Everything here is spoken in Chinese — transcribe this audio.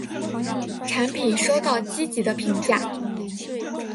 产品收到积极的评价。